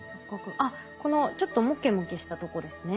あっこのちょっとモケモケしたとこですね。